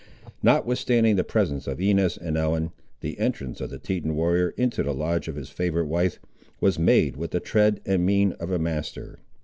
Notwithstanding the presence of Inez and Ellen, the entrance of the Teton warrior into the lodge of his favourite wife, was made with the tread and mien of a master.